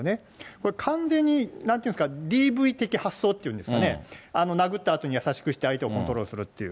これ、完全に、なんていうんですか、ＤＶ的発想っていうんですかね、殴ったあとに優しくして相手をコントロールするっていう。